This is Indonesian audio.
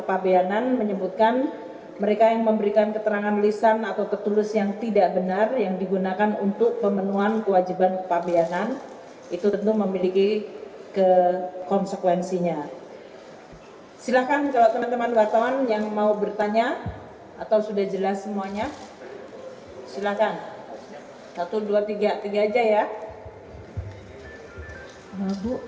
saya kira itu saja terima kasih